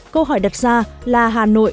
câu hỏi đặt ra là hà nội